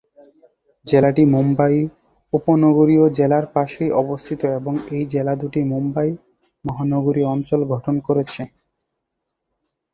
জেলাটি মুম্বই উপনগরীয় জেলার পাশেই অবস্থিত এবং এই জেলা দুটি মুম্বই মহানগরীয় অঞ্চল গঠন করেছে।